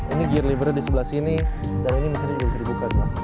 ini gear lever nya di sebelah sini dan ini mungkin juga bisa dibuka juga